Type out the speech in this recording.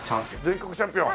全国チャンピオン？